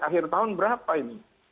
akhir tahun berapa ini